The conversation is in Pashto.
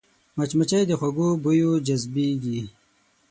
مچمچۍ د خوږو بویو جذبېږي